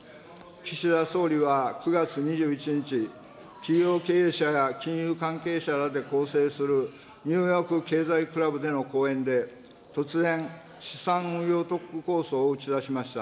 岸田総理は９月２１日、企業経営者や金融関係者らで構成するニューヨーク経済クラブでの講演で、突然、資産運用特区構想を打ち出しました。